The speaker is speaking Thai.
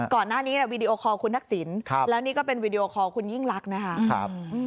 ก่อนหน้านี้วีดีโอคอลคุณทักษิณแล้วนี่ก็เป็นวีดีโอคอลคุณยิ่งลักษณ์นะคะ